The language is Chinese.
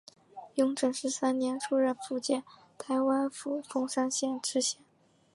雍正十三年出任福建台湾府凤山县知县。